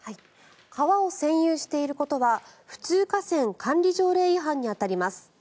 川を占有していることは普通河川管理条例違反に当たります。